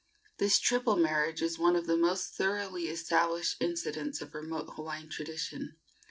This triple marriage is one of the most thoroughly established incidents of remote Hawaiian tradition.